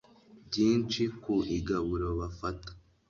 byinshi ku igaburo bafata